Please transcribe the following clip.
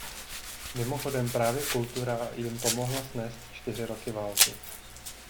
Mimochodem právě kultura jim pomohla snést čtyři roky války.